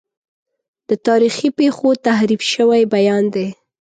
د تاریخي پیښو تحریف شوی بیان دی.